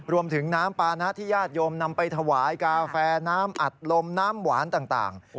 รวมถึงน้ำปานะที่ญาติโยมนำไปถวายกาแฟน้ำอัดลมน้ำหวานต่าง